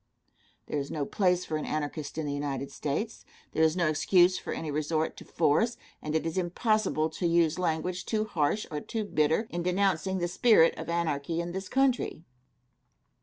There is no place for an Anarchist in the United States. There is no excuse for any resort to force; and it is impossible to use language too harsh or too bitter in denouncing the spirit of anarchy in this country.